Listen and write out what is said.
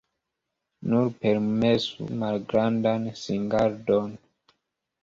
Nur permesu malgrandan singardon.